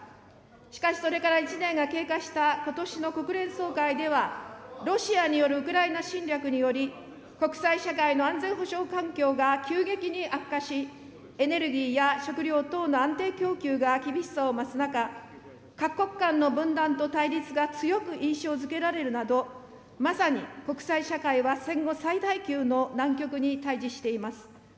しかしそれから１年が経過したことしの国連総会では、ロシアによるウクライナ侵略により、国際社会の安全保障環境が急激に悪化し、エネルギーや食料等の安定供給が厳しさを増す中、各国間の分断と対立が強く印象づけられるなど、まさに国際社会は戦後最大級の難局に対じしています。